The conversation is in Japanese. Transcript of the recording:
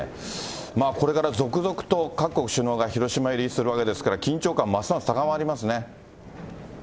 これから続々と、各国首脳が広島入りするわけですから、緊張感ますます高まりますね。